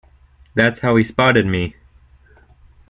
That's how he spotted me.